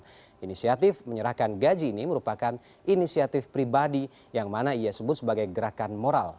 dan inisiatif menyerahkan gaji ini merupakan inisiatif pribadi yang mana ia sebut sebagai gerakan moral